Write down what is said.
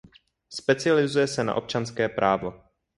Specializuje se na občanské právo.